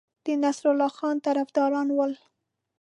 د نصرالله خان طرفداران ول.